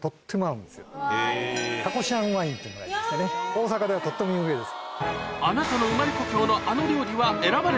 大阪ではとっても有名です。